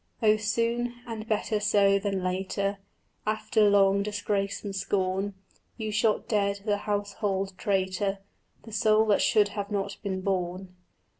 Oh soon, and better so than later After long disgrace and scorn, You shot dead the household traitor, The soul that should not have been born.